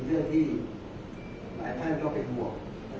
แต่ว่าไม่มีปรากฏว่าถ้าเกิดคนให้ยาที่๓๑